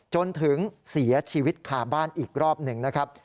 จนถึงเสียชีวิตคาบ้านอีกรอบหนึ่งนะครับ